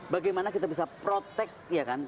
bagaimana kita bisa protect ya kan